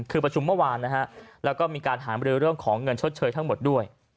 คือประชุมเมื่อวานนะฮะแล้วก็มีการหามรือเรื่องของเงินชดเชยทั้งหมดด้วย